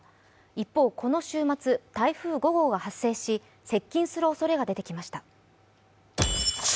一方、この週末台風５号が発生し接近するおそれが出てきました。